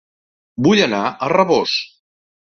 Vull anar a Rabós